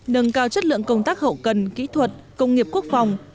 nâng cao chất lượng công tác hậu cần kỹ thuật công nghiệp quốc phòng